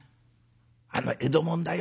「あの江戸者だよ。